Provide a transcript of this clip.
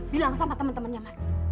bilang sama temen temennya mas